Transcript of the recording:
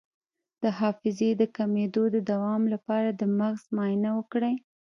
د حافظې د کمیدو د دوام لپاره د مغز معاینه وکړئ